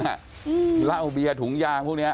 เหล้าเบียร์ถุงยางพวกเนี้ย